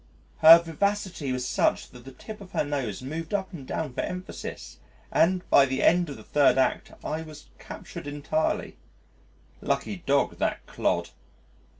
Her vivacity was such that the tip of her nose moved up and down for emphasis and by the end of the Third Act I was captured entirely. Lucky dog, that clod!